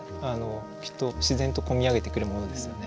きっと自然とこみ上げてくるものですね。